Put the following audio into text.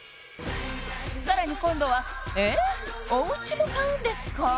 さらに今度はええっおうちも買うんですか？